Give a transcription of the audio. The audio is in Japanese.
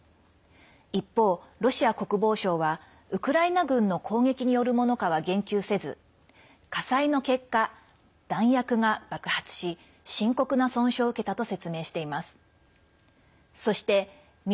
一方、ロシア国防省はウクライナ軍の攻撃によるものかは言及せず火災の結果、弾薬が爆発し深刻な損傷を受けたと説明しています。